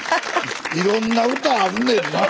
いろんな歌あるねんな。